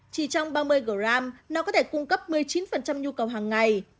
chỉ trong ba mươi gram nó có thể cung cấp một mươi chín nhu cầu hàng ngày